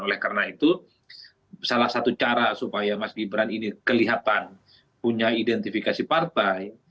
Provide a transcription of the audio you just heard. oleh karena itu salah satu cara supaya mas gibran ini kelihatan punya identifikasi partai